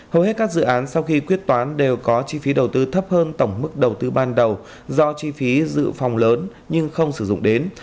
hầu hết các dự án sau khi quyết toán đều có chi phí đầu tư thấp hơn tổng mức đầu tư ban đầu do chi phí dự phòng lớn nhưng không sử dụng đến